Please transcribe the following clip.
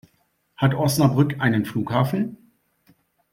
Hat Osnabrück einen Flughafen?